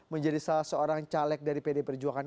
menjadi salah seorang caleg dari pd perjuangan